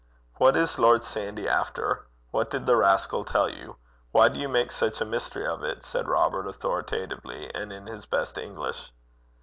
'What is Lord Sandy after? What did the rascal tell you? Why do you make such a mystery of it?' said Robert, authoritatively, and in his best English.